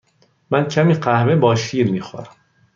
من کمی قهوه با شیر می خورم.